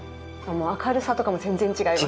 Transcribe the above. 明るさとかも全然違います。